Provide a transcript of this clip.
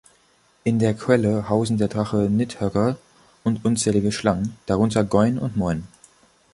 In der Quelle hausen der Drache Nidhöggr und unzählige Schlangen, darunter Goin und Moin.